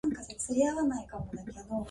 君がッ泣くまで殴るのをやめないッ！